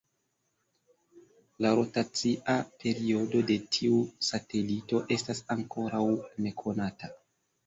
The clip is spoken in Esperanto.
La rotacia periodo de tiu satelito estas ankoraŭ nekonata.